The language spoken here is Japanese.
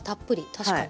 確かに。